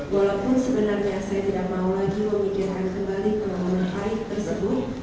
walaupun sebenarnya saya tidak mau lagi memikirkan kembali kerumunan hal tersebut